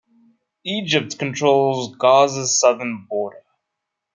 Egypt controls Gaza's southern border.